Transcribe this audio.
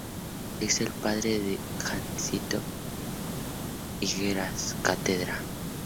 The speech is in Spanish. Es el padre de Jacinto Higueras Cátedra.